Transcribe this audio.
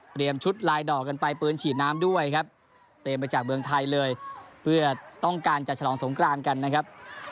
ชุดลายดอกกันไปปืนฉีดน้ำด้วยครับเตรียมไปจากเมืองไทยเลยเพื่อต้องการจัดฉลองสงกรานกันนะครับ